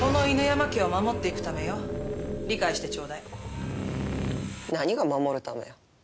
山家を守っていくためよ理解してちょうだい何が守るためよ